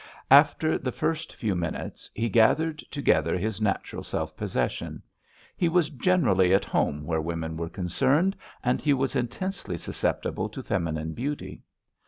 After the first few minutes he gathered together his natural self possession. He was generally at home where women were concerned, and he was intensely susceptible to feminine beauty.